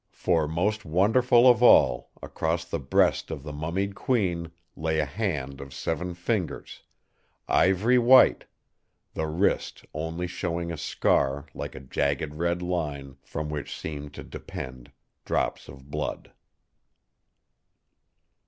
"For, most wonderful of all, across the breast of the mummied Queen lay a hand of seven fingers, ivory white, the wrist only showing a scar like a jagged red line, from which seemed to depend drops of blood."